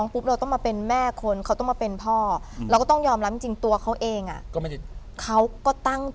คือคนที่เกิดราศี